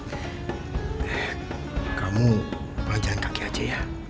eh kamu berjalan kaki aja ya